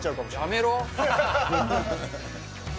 やめろ。